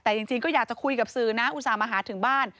แต่จริงก็อยากจะคุยกับสื่อนะอุตส่าห์มาหาถึงบ้าน